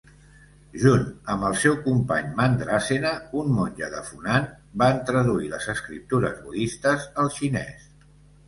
Junt amb el seu company Mandrasena, un monge de Funan, van traduir les escriptures budistes al xinès.